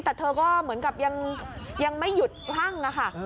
แต่เธอก็เหมือนกับยังไม่หยุดคลั่งค่ะ